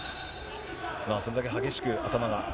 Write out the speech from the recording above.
それだけ激しく頭が。